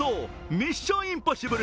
「ミッション：インポッシブル」